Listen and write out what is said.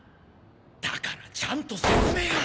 だからちゃんと説明を。